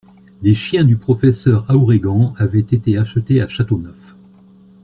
Les chiens du professeur Aouregan avaient été achetés à Châteauneuf.